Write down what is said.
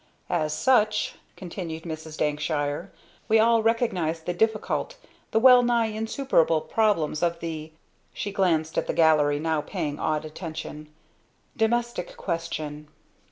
"As such," continued Mrs. Dankshire, "we all recognize the difficult the well nigh insuperable problems of the" she glanced at the gallery now paying awed attention "domestic question."